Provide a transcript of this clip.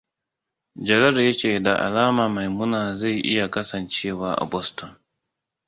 Jalal ya ce da alama Maimuna zai iya kasancewa a Boston.